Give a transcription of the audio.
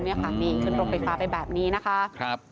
นี่ค่ะนี่ขึ้นรถไฟฟ้าไปแบบนี้นะคะ